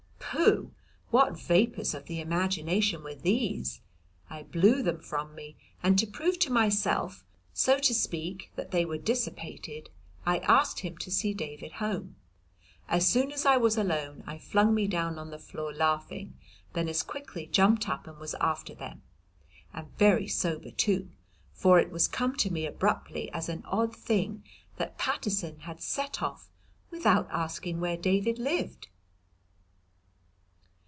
Pooh! what vapours of the imagination were these. I blew them from me, and to prove to myself, so to speak, that they were dissipated, I asked him to see David home. As soon as I was alone, I flung me down on the floor laughing, then as quickly jumped up and was after them, and very sober too, for it was come to me abruptly as an odd thing that Paterson had set off without asking where David lived.